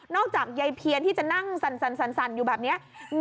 จากยายเพียนที่จะนั่งสั่นอยู่แบบนี้